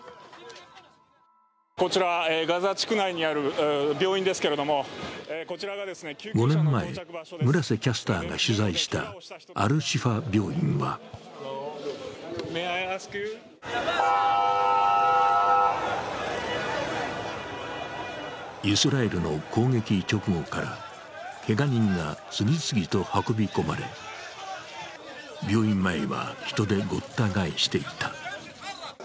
こちら、ガザ地区内にある病院ですけれども５年前、村瀬キャスターが取材したアル・シファ病院はイスラエルの攻撃直後からけが人が次々と運び込まれ、病院前は人でごった返していた。